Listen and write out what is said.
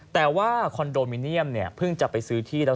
แต่คอนโดพิเศษเพิ่มจะไปซื้อที่แล้ว